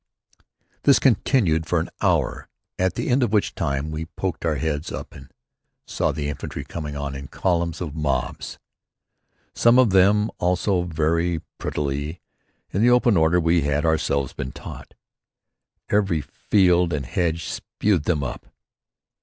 This continued for an hour, at the end of which time we poked our heads up and saw their infantry coming on in columns of mobs, and some of them also very prettily in the open order we had ourselves been taught. Every field and hedge spewed them up.